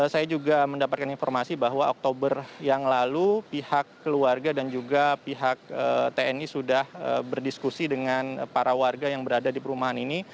saya juga mendapatkan informasi bahwa oktober yang lalu pihak keluarga dan juga pihak tni sudah berdiskusi dengan para warga yang berada di perumahan ini